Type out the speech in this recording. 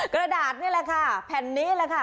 กระดาษนี่แหละค่ะแผ่นนี้แหละค่ะ